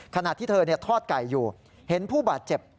ขณะที่เธอทอดไก่อยู่เห็นผู้บาดเจ็บ